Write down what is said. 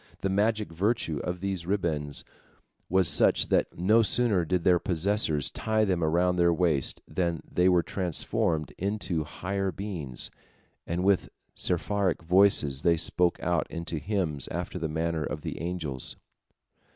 The magic virtue of these ribands was such that no sooner did their possessors tie them around their waists than they were transformed into higher beings, and with seraphic voices they broke out into hymns after the manner of the angels.